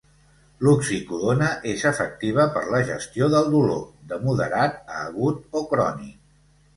L'oxicodona és efectiva per la gestió del dolor, de moderat a agut o crònic.